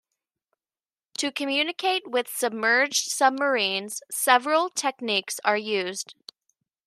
To communicate with submerged submarines several techniques are used.